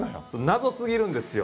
謎すぎるんですよ。